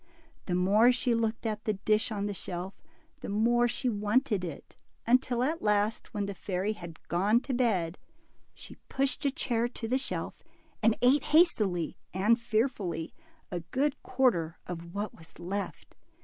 The more she looked at the dish on the shelf, the more she wanted it, until at last, when the fairy had gone to bed, she pushed a chair to the shelf, and ate hastily and fearfully a good quarter of what was left.